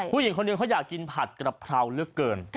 ผู้หญิงคนหนึ่งเขาอยากกินผัดกระเพราเหลือเกิน